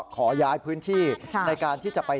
ขอย้ายพื้นที่ในการที่จะไป